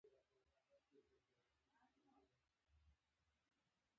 څنګه کولی شم په انټرویو کې بریالی شم